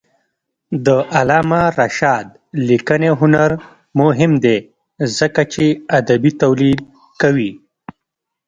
د علامه رشاد لیکنی هنر مهم دی ځکه چې ادبي تولید کوي.